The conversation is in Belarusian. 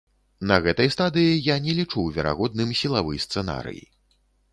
На гэтай стадыі я не лічу верагодным сілавы сцэнарый.